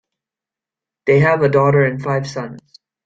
They have a daughter and five sons.